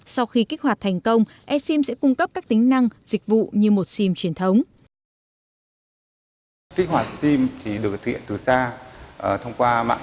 sau khi kích hoạt thành công e sim sẽ cung cấp các tính năng dịch vụ như một sim truyền thống